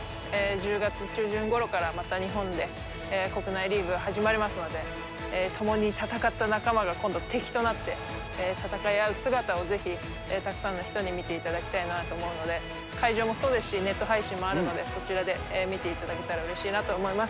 １０月中旬ごろからまた日本で、国内リーグ始まりますので、共に戦った仲間が今度、敵となって戦い合う姿を、ぜひ、たくさんの人に見ていただきたいなと思うので、会場もそうですし、ネット配信もあるので、そちらで見ていただけたらうれしいなと思います。